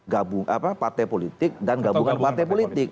gabung apa partai politik dan gabungan partai politik